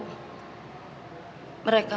mereka mempertanyakan keseriusan hubungan kita mas